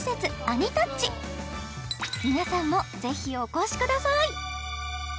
アニタッチ皆さんもぜひお越しください！